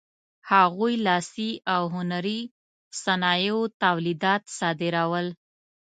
هغوی لاسي او هنري صنایعو تولیدات صادرول.